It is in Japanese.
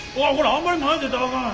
あんまり前出たらあかん。